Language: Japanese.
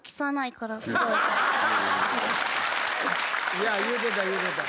いや言うてた言うてた。